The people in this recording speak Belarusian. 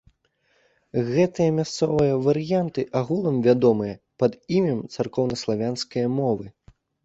Гэтыя мясцовыя варыянты агулам вядомыя пад імем царкоўнаславянскае мовы.